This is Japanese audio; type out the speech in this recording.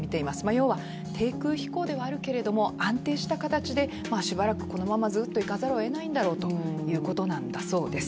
要は、低空飛行ではあるけれども安定した形でしばらくこのままずっといかざるをえないだろうということなんです。